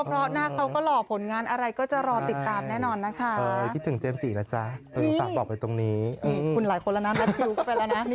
เพราะว่าจะเจอเรื่องอะไรขอให้ผ่านมันไปให้ได้ครับ